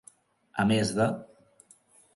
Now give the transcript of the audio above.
A més de.